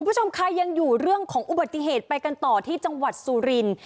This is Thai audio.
คุณผู้ชมค่ะยังอยู่เรื่องของอุบัติเหตุไปกันต่อที่จังหวัดสุรินทร์